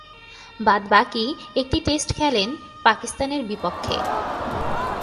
বাদ-বাকী একটি টেস্ট খেলেন পাকিস্তানের বিপক্ষে।